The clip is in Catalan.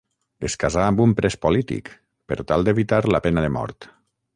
Es casà amb un pres polític, per tal d'evitar la pena de mort.